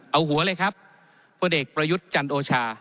เอาหัวเลยครับพลเอกประยุทธ์จันโอชา